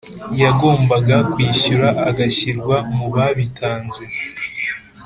yagombaga kwishyura agashyirwa mu babitanze